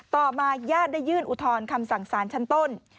ต่อมาญาติได้ยื่นอุทธรณ์คำสั่งสารชั้นต้น